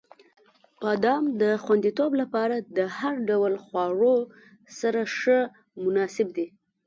• بادام د خوندیتوب لپاره د هر ډول خواړو سره ښه مناسب دی.